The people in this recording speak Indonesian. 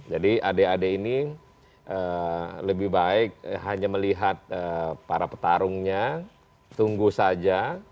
jadi adek adek ini lebih baik hanya melihat para petarungnya tunggu saja